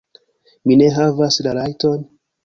Mi ne havas la rajton?